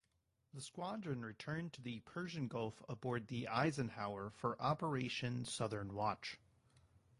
The squadron returned to the Persian Gulf aboard the "Eisenhower" for Operation Southern Watch.